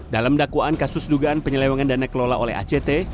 dalam dakwaan kasus dugaan penyelewangan dana kelola oleh act